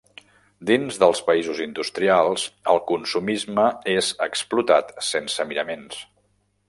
Dins dels països industrials el consumisme és explotat sense miraments.